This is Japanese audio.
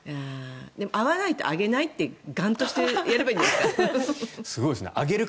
会わないとあげないって頑としてやればいいんじゃないですか。